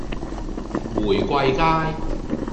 玫瑰街